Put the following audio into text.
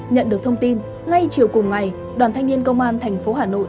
nhận được thông tin ngay chiều cùng ngày đoàn thanh niên công an tp hà nội